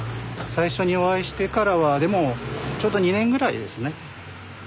最初にお会いしてからはでもちょうど２年ぐらいですね。